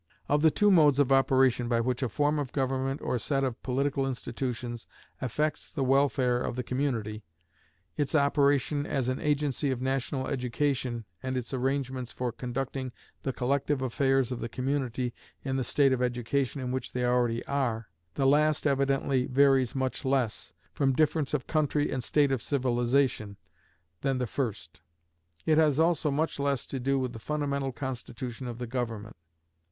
Of the two modes of operation by which a form of government or set of political institutions affects the welfare of the community its operation as an agency of national education, and its arrangements for conducting the collective affairs of the community in the state of education in which they already are, the last evidently varies much less, from difference of country and state of civilization, than the first. It has also much less to do with the fundamental constitution of the government.